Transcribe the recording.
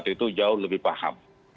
itu jauh lebih paham